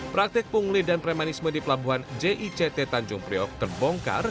praktik pungli dan premanisme di pelabuhan jict tanjung priok terbongkar